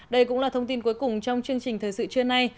đây cũng là thông tin cuối cùng trong chương trình thời sự trưa nay